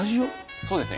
そうですね。